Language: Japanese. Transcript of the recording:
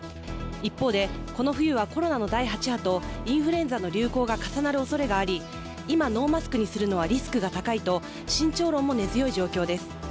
一方でこの冬はコロナの第８波とインフルエンザの流行が重なるおそれがあり、今、ノーマスクにするのはリスクが高いと慎重論も根強い状況です。